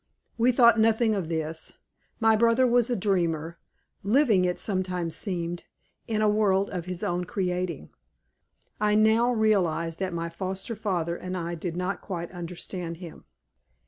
"We thought nothing of this. My brother was a dreamer, living, it sometimes seemed, in a world of his own creating. I now realize that my foster father and I did not quite understand him.